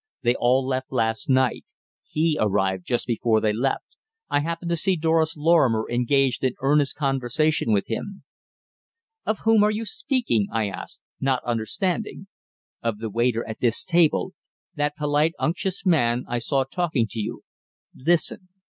They all left last night. He arrived just before they left. I happened to see Doris Lorrimer engaged in earnest conversation with him." "Of whom are you speaking?" I asked, not understanding. "Of the waiter at this table that polite, unctuous man I saw talking to you. Listen.